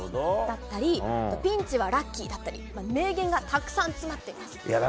だったり「ピンチはラッキー」だったり名言がたくさん詰まっています。